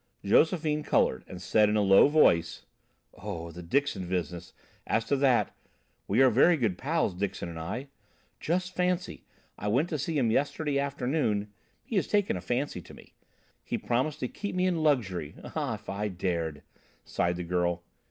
Josephine coloured, and said in a low tone: "Oh, the Dixon business, as to that we are very good pals, Dixon and I. Just fancy, I went to see him yesterday afternoon. He has taken a fancy to me. He promised to keep me in luxury. Ah, if I dared," sighed the girl.